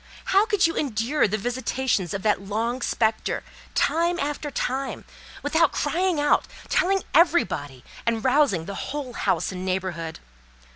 How could you endure the visitations of that long spectre, time after time, without crying out, telling everybody, and rousing the whole house and neighbourhood?